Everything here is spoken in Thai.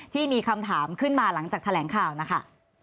ที่มีคำถามขึ้นมาหลังจากแถลงข่าวนะคะ